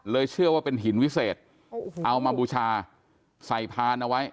เชื่อว่าเป็นหินวิเศษเอามาบูชาใส่พานเอาไว้